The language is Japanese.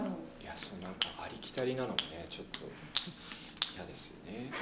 ありきたりなのもね、ちょっと嫌ですよね。